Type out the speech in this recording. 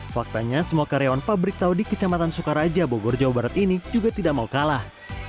faktanya semua karyawan pabrik tahu di kecamatan sukaraja bogor jawa barat ini juga tidak mau kalah